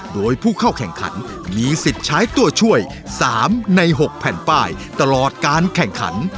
โดยผู้เข้าแข่งขันมีสิทธิ์ใช้ตัวช่วย๓ใน๖แผ่นป้ายตลอดการแข่งขัน